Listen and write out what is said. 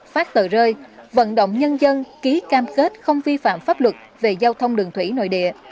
phát tờ rơi vận động nhân dân ký cam kết không vi phạm pháp luật về giao thông đường thủy nội địa